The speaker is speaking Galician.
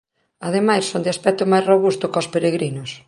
Ademais son de aspecto máis robusto cos peregrinos.